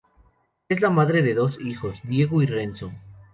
Es la madre de dos hijos: Diego y Renzo.